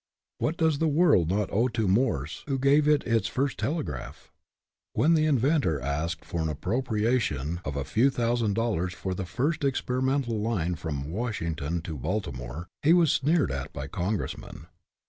What does the world not owe to Morse, who gave it its first telegraph? When the inventor asked for an appropriation of a few thousand dollars for the first experimental line from Washington to Baltimore, he was sneered at by congressmen.